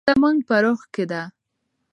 زموږ په روح کې ده.